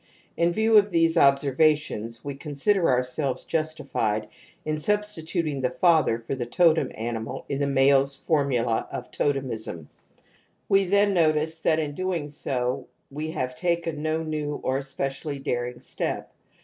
\ In view of these observations we consider ourselves justified in substituting the father for the totem animal in the male's formula of totemism^ We then notice that in doing so we have taken no new or especially daring step.